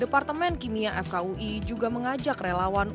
departemen kimia fkui juga mengajak relawan